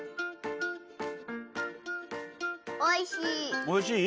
おいしい。